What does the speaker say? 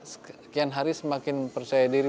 sekian hari semakin percaya diri